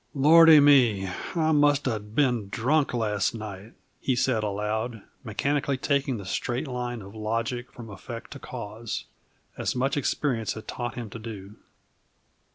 "Lordy me! I must have been drunk last night," he said aloud, mechanically taking the straight line of logic from effect to cause, as much experience had taught him to do.